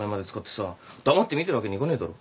黙って見てるわけにいかねえだろ。